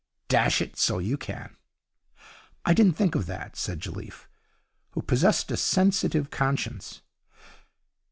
'Dash it, so you can. I didn't think of that,' said Jelliffe, who possessed a sensitive conscience.